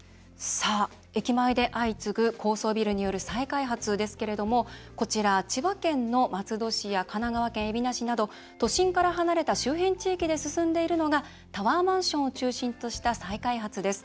駅前で相次ぐ高層ビルによる再開発ですけれどこちら、千葉県の松戸市や神奈川県海老名市など都心から離れた周辺地域で進んでいるのがタワーマンションを中心とした再開発です。